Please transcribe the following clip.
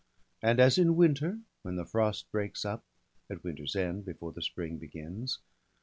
And as in winter, when the frost breaks up, At winter's end, before the spring begins.